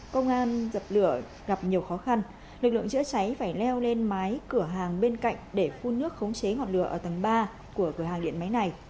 công an dập lửa gặp nhiều khó khăn lực lượng chữa cháy phải leo lên mái cửa hàng bên cạnh để phun nước khống chế ngọn lửa ở tầng ba của cửa hàng điện máy này